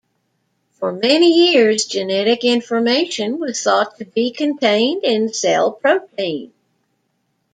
For many years, genetic information was thought to be contained in cell protein.